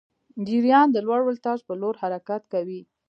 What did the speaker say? جریان د لوړ ولتاژ پر لور حرکت کوي.